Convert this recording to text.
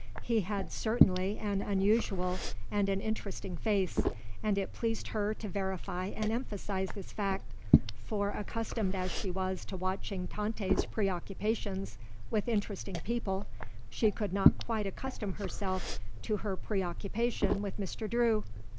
He had, certainly, an unusual and an interesting face, and it pleased her to verify and emphasize this fact; for, accustomed as she was to watching Tante's preoccupations with interesting people, she could not quite accustom herself to her preoccupation with Mr. Drew.